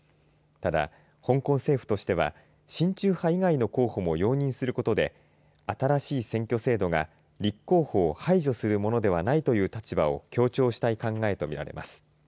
ただ、香港政府としては親中派以外の候補も容認することで新しい選挙制度が立候補を排除する問題はないという立場を強調したい考えとみられます。